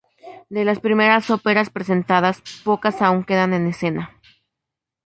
De las primeras óperas presentadas pocas aún quedan en escena.